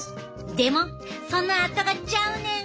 でもそのあとがちゃうねん。